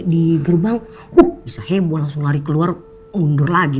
darah segini papa udah